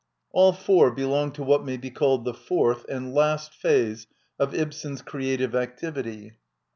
All four belong to what may be called the fourth, and last phase of Ibsen's creative activity.